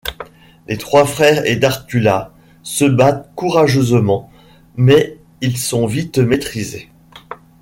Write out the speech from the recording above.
Les trois frères et Darthula se battent courageusement mais ils sont vite maîtrisés.